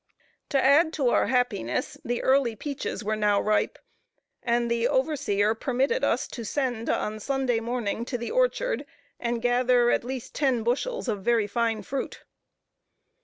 To add to our happiness, the early peaches were now ripe, and the overseer permitted us to send, on Sunday morning, to the orchard, and gather at least ten bushels of very fine fruit.